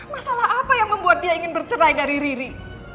masalah apa yang membuat dia ingin bercerai dari riri